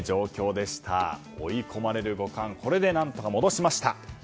追い込まれる五冠これで何とか戻しました。